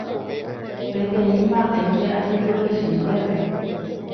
Peteĩ mba'énte ajerurese ndéve.